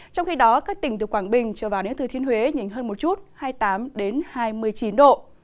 trong khi đó các tỉnh từ quảng bình trở vào đến thừa thiên huế nhìn hơn một chút hai mươi tám hai mươi chín độ